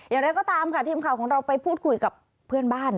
อย่างไรก็ตามค่ะทีมข่าวของเราไปพูดคุยกับเพื่อนบ้าน